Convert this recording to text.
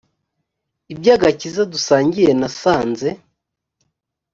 iby agakiza dusangiye nasanze